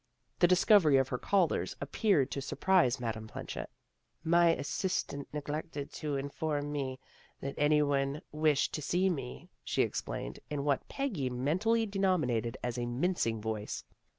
The discovery of her callers appeared to surprise Madame Planchet. " My assistant neglected to inform me that anyone wished to see me," she explained, in what Peggy men tally denominated as a " mincing voice."